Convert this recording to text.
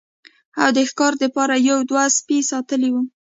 او د ښکار د پاره يې يو دوه سپي ساتلي وو